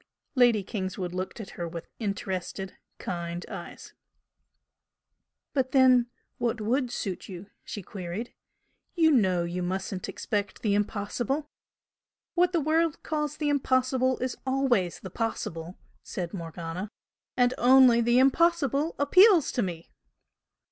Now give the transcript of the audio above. Lady Kingswood looked at her with interested, kind eyes. "But then, what WOULD suit you?" she queried "You know you mustn't expect the impossible!" "What the world calls the impossible is always the possible" said Morgana "And only the impossible appeals to me!"